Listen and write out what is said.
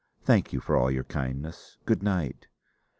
Thank you for all your kindness. Good night!"